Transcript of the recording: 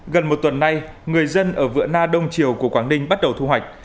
gần một tuần nay người dân ở vựa na đông triều của quảng ninh bắt đầu thu hoạch